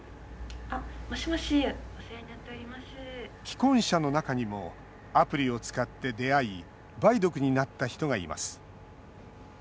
既婚者の中にもアプリを使って出会い梅毒になった人がいます。